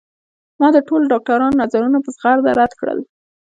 ما د ټولو ډاکترانو نظرونه په زغرده رد کړل